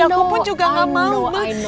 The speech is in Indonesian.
aku pun juga gak mau